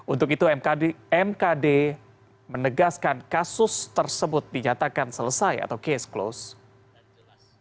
untuk itu mkd menegaskan kasus tersebut dinyatakan selesai atau case close